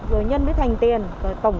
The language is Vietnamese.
rồi nhân mới thành tiền tổng tiền